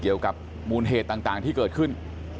เกี่ยวกับมูลเหตุต่างที่เกิดขึ้น